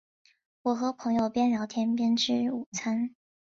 我和朋友边聊天边吃午餐